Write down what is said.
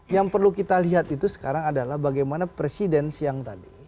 yang perlu kita lihat itu sekarang adalah bagaimana presiden siang tadi